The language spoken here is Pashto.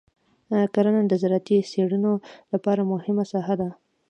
کرنه د زراعتي څېړنو لپاره مهمه ساحه ده.